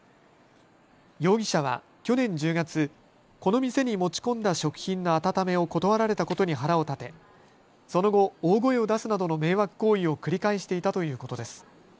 容疑者は去年１０月、この店に持ち込んだ食品の温めを断られたことに腹を立て、その後、大声を出すなどの迷惑行為を繰り返していたということです。